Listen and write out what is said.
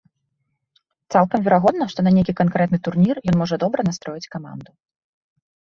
Цалкам верагодна, што на нейкі канкрэтны турнір ён можа добра настроіць каманду.